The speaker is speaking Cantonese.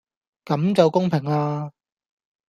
咁就公平呀